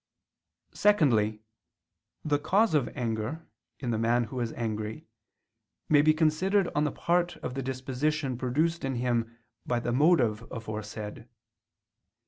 Secondly, the cause of anger, in the man who is angry, may be considered on the part of the disposition produced in him by the motive aforesaid.